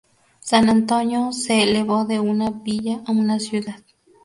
San Antonio se elevó de una villa a una ciudad.